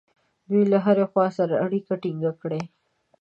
دوی له هرې خوا سره اړیکه ټینګه کړي.